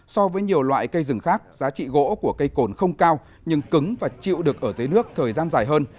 so với nhiều loại cây rừng khác giá trị gỗ của cây cồn không cao nhưng cứng và chịu được ở dưới nước thời gian dài hơn